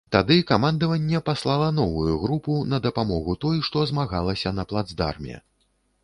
Тады камандаванне паслала новую групу на дапамогу той, што змагалася на плацдарме.